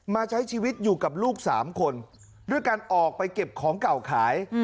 ใช้ชีวิตอยู่กับลูก๓คนด้วยการออกไปเก็บของเก่าขาย